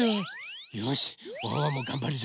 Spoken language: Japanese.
よしワンワンもがんばるぞ。